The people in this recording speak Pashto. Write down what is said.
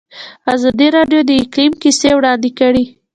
ازادي راډیو د اقلیم کیسې وړاندې کړي.